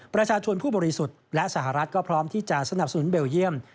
ประชาชนผู้บริสุทธิ์และสหรัฐก็พร้อมที่จะสนับสนุนเบลเยี่ยม